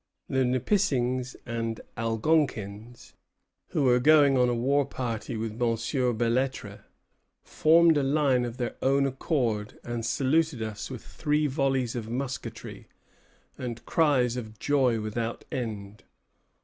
The Nipissings and Algonkins, who were going on a war party with Monsieur Belêtre, formed a line of their own accord, and saluted us with three volleys of musketry, and cries of joy without end.